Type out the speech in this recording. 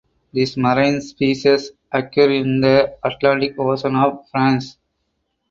This marine species occurs in the Atlantic Ocean off France